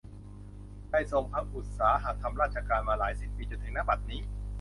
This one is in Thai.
ได้ทรงพระอุตสาหะทำราชการมาหลายสิบปีจนถึง ณ บัดนี้